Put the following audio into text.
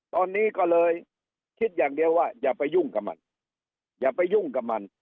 ตอนนี้ก็เลยคิดอย่างเดียวว่าอย่าไปยุ่งกับมัน